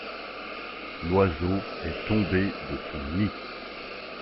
L’oiseau est tombé de son nid.